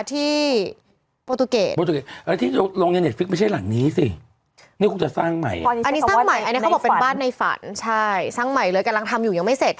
ที่โบทูเกตเขาอันนี้เป็นบ้านในฟันใช่สร้างหมายเลยกำลังทำอยู่ยังไม่เสร็จ